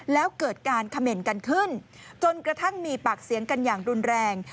แล้วเกิดการเขม่นกันขึ้นจนกระทั่งมีปากเสียงกันอย่างรุนแรง